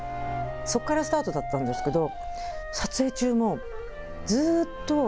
そっからスタートだったんですけど。